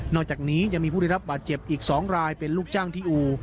อกจากนี้ยังมีผู้ได้รับบาดเจ็บอีก๒รายเป็นลูกจ้างที่อู่